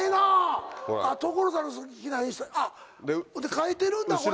書いてるんだこれ！